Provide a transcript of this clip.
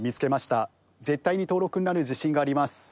絶対に登録になる自信があります。